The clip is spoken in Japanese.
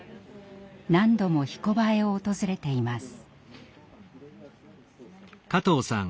何度も「ひこばえ」を訪れています。